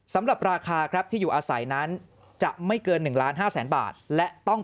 สำหรับราคาครับที่อยู่อาศัยนั้นจะไม่เกิน๑ล้าน๕แสนบาทและต้อง